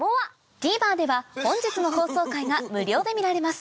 ＴＶｅｒでは本日の放送回が無料で見られます